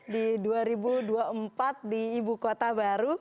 di dua ribu dua puluh empat di ibu kota baru